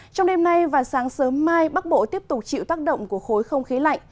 trong đêm nay và sáng sớm mai bắc bộ tiếp tục chịu tác động của khối không khí lạnh